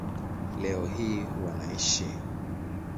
Leo hii wanaishi